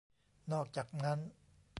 นอกจากนั้น